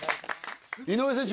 井上選手